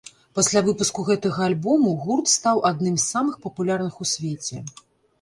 Пасля выпуску гэтага альбому гурт стаў адным з самых папулярных у свеце.